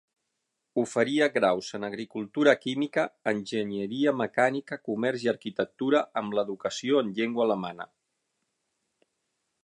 Oferia graus en agricultura, química, enginyeria, mecànica, comerç i arquitectura, amb l'educació en llengua alemanya.